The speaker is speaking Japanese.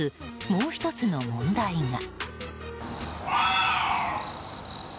もう１つの問題が。